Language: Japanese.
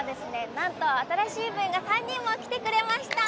なんと新しい部員が３人も来てくれました